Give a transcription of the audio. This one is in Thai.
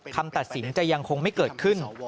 คำตัดสินจะยังคงไม่เกิดขึ้น